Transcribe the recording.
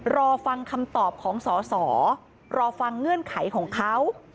รอฟังคำตอบของสอสอรอฟังเงื่อนไขของเขา